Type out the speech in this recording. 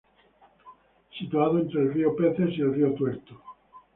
Situado entre el Río Peces y el Río Tuerto.